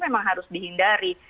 memang harus dihindari